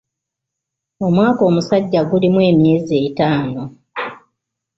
Omwaka omusajja gulimu emyezi etaano.